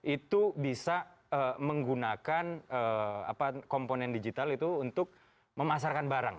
itu bisa menggunakan komponen digital itu untuk memasarkan barang